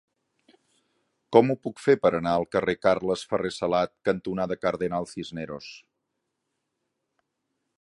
Com ho puc fer per anar al carrer Carles Ferrer Salat cantonada Cardenal Cisneros?